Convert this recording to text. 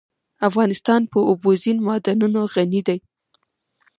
افغانستان په اوبزین معدنونه غني دی.